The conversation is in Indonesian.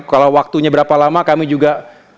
kalau waktunya berapa lama kami juga